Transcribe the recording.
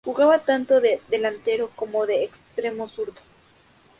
Jugaba tanto de delantero como de extremo zurdo.